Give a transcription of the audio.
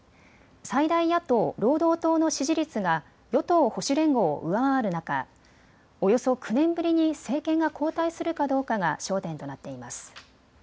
最大野党・労働党の支持率が与党・保守連合を上回る中およそ９年ぶりに政権が交代するかどうかが焦点となっています。